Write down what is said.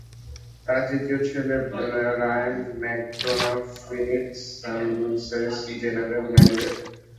তার তৃতীয় ছেলে রায়ান ম্যাকডোনাফ ফিনিক্স সানসের জেনারেল ম্যানেজার।